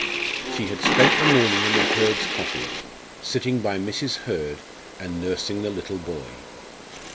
She had spent the morning in the Hurds' cottage, sitting by Mrs. Hurd and nursing the little boy.